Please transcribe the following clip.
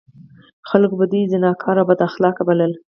خلکو به دوی زناکار او بد اخلاق بلل.